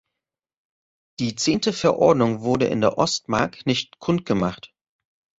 Die zehnte Verordnung wurde in der Ostmark nicht kundgemacht.